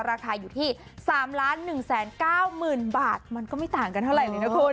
ราคาอยู่ที่๓๑๙๐๐๐บาทมันก็ไม่ต่างกันเท่าไหร่เลยนะคุณ